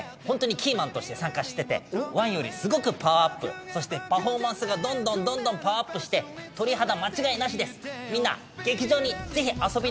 ホントにキーマンとして参加してて１よりすごくパワーアップそしてパフォーマンスがどんどんどんどんパワーアップして鳥肌間違いなしです。